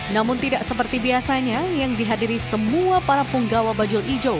namun tidak seperti biasanya yang dihadiri semua para punggawa bajul ijo